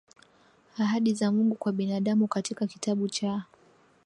ahadi za Mungu kwa binadamu Katika kitabu cha